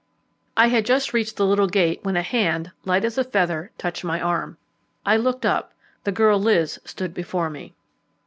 I had just reached the little gate when a hand, light as a feather, touched my arm. I looked up; the girl Liz stood before me.